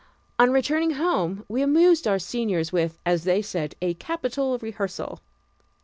On returning home we amused our seniors with, as they said, a capital rehearsal.